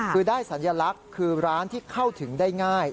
คือได้สัญลักษณ์คือร้านที่เข้าถึงได้ง่าย